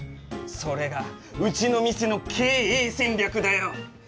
それがうちの店の経営戦略だよ。